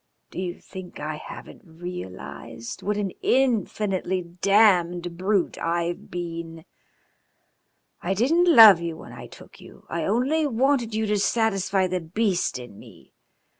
Do you think I haven't realised what an infinitely damned brute I've been? I didn't love you when I took you, I only wanted you to satisfy the beast in me.